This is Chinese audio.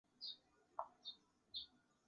不能回复原状